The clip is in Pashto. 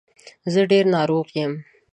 زه ډېر ناروغ یم.